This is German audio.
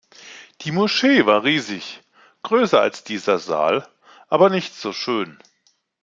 Die Moschee war riesig, größer als dieser Saal, aber nicht so schön.